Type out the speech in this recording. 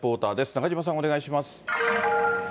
中島さん、お願いします。